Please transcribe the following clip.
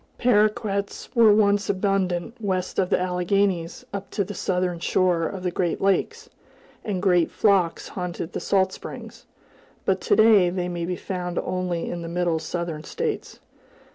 Paroquets were once abundant west of the Alleghanies, up to the southern shore of the Great Lakes, and great flocks haunted the salt springs; but to day they may be found only in the middle Southern states.